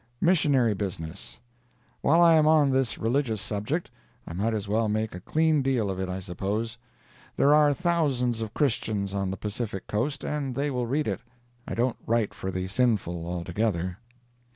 MISSIONARY BUSINESS While I am on this religious subject, I might as well make a clean deal of it, I suppose. There are thousands of Christians on the Pacific Coast, and they will read it. I don't write for the sinful altogether.